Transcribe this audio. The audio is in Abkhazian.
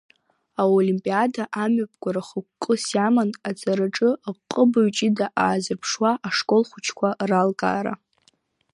Аолимпиада амҩаԥгара хықәкыс иаман аҵараҿы аҟыбаҩ ҷыда аазырԥшуа ашколхәыҷқәа ралкаара.